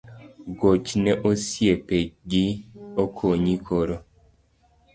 Gochne osipe gi okonyi koro